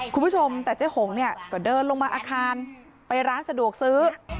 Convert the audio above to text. คุณผู้ชมแต่เจ๊หงเนี่ยก็เดินลงมาอาคารไปร้านสะดวกซื้อ